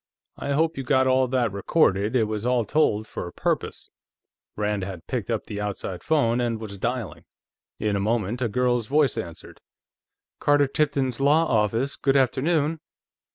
I hope you got all that recorded; it was all told for a purpose." Rand had picked up the outside phone and was dialing. In a moment, a girl's voice answered. "Carter Tipton's law office; good afternoon."